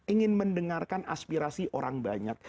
ingin mendengarkan aspirasi orang banyak